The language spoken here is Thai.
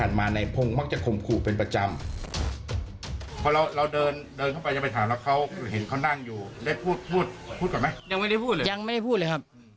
ยิงปลายอยู่โล่นล่างครับ